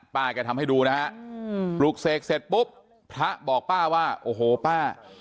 แกทำให้ดูนะฮะปลูกเสกเสร็จปุ๊บพระบอกป้าว่าโอ้โหป้า